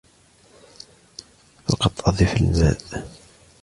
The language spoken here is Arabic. فقط أضف الماء